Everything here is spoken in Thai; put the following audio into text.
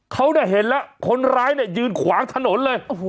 เขาเห็นแล้วคนร้ายเนี่ยยืนขวางถนนเลย